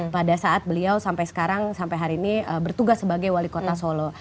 pada saat beliau sampai sekarang sampai hari ini bertugas sebagai wali kota solo